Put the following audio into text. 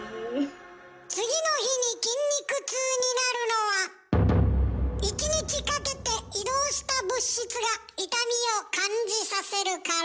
次の日に筋肉痛になるのは１日かけて移動した物質が痛みを感じさせるから。